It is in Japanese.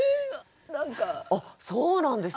あっそうなんですか。